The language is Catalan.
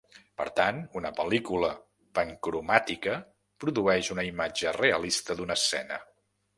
Per tant una pel·lícula pancromàtica produeix una imatge realista d'una escena.